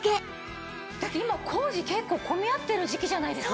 だって今工事結構混み合ってる時期じゃないですか。